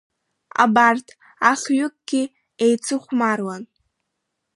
Абарҭ ахҩыкгьы еицыхәмаруан.